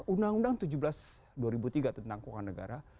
undang undang tujuh belas dua ribu tiga tentang keuangan negara